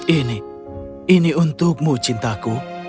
ini ini untukmu cintaku